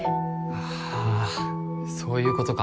ああそういうことか。